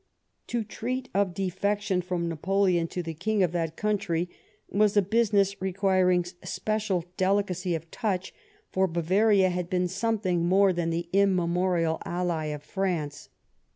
To treat of defection from Napoleon to the King of that country was a business requiring special delicacy of touch, for Bavaria had been something more than the immemorial ally of France.